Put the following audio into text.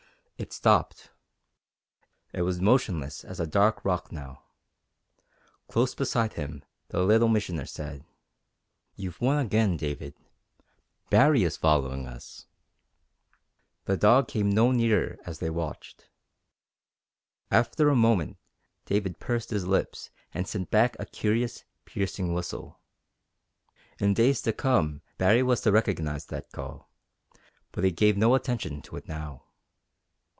It stopped. It was motionless as a dark rock now. Close beside him the Little Missioner said: "You've won again, David. Baree is following us!" The dog came no nearer as they watched. After a moment David pursed his lips and sent back a curious, piercing whistle. In days to come Baree was to recognize that call, but he gave no attention to it now.